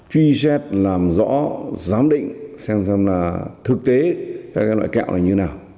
truy xét làm rõ giám định xem xem thực tế các loại kẹo này như thế nào